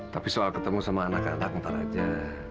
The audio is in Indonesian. tapi soal ketemu sama anak anak ntar aja